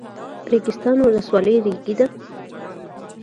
ریګستان ولسوالۍ ریګي ده؟